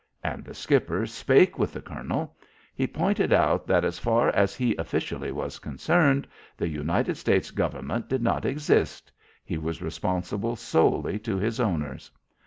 And the skipper spake with the colonel. He pointed out that as far as he officially was concerned, the United States Government did not exist. He was responsible solely to his owners.